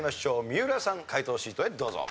三浦さん解答シートへどうぞ。